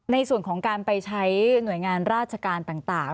ในส่วนของการไปใช้หน่วยงานราชการต่าง